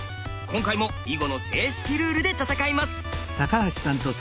今回も囲碁の正式ルールで戦います！